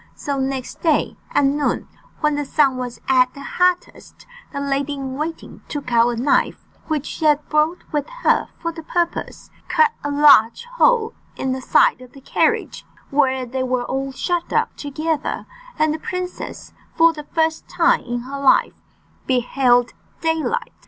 So next day, at noon, when the sun was at the hottest, the lady in waiting took out a knife, which she had brought with her for the purpose, cut a large hole in the side of the carriage where they were all shut up together, and the princess, for the first time in her life, beheld daylight.